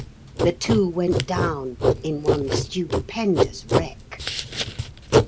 The two went down in one stupendous wreck!